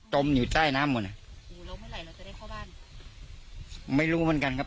ตมอยู่ใต้น้ำหมดอู๋แล้วเมื่อใดเราทำให้เข้าบ้านไม่รู้เหมือนกันครับ